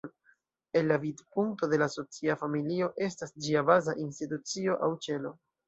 El la vidpunkto de la socio, familio estas ĝia baza institucio aŭ "ĉelo".